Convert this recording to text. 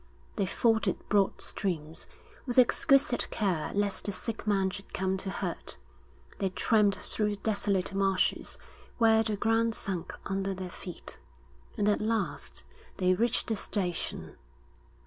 They forded broad streams, with exquisite care lest the sick man should come to hurt; they tramped through desolate marshes where the ground sunk under their feet. And at last they reached the station.